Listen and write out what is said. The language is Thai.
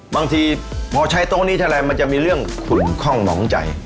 บางทีพอใช้โต๊ะนี้เท่าไรมันจะมีเรื่องขุนคล่องหนองใจ